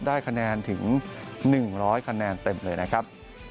ได้คะแนนถึง๑๐๐คะแนนเต็มเลยนะครับ